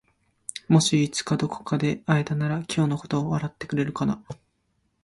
もしいつかどこかで会えたら今日のことを笑ってくれるかな？